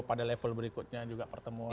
pada level berikutnya juga pertemuan